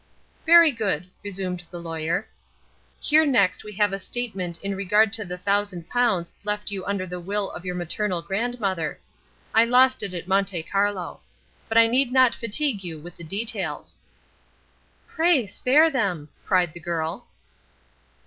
"Very good," resumed the Lawyer. "Here next we have a statement in regard to the thousand pounds left you under the will of your maternal grandmother. I lost it at Monte Carlo. But I need not fatigue you with the details." "Pray spare them," cried the girl.